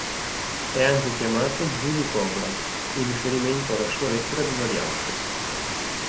È anche chiamato "Zulu Cobra" in riferimento alla sua lettera di variante.